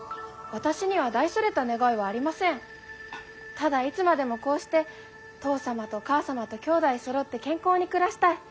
ただいつまでもこうして父さまと母さまときょうだいそろって健康に暮らしたい。